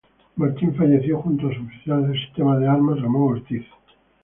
Martin falleció, junto a su oficial de sistemas de armas, Ramón Ortiz.